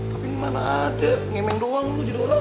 tapi mana ada ngemen doang lo jadi orang